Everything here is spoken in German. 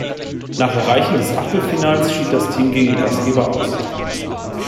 Nach Erreichen des Achtelfinals schied das Team gegen den Gastgeber aus.